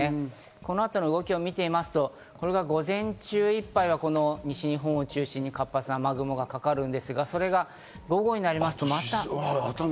この後の動きを見てみますとこれが午前中いっぱいは西日本を中心に活発な雨雲がかかるんですが、午後になりますと。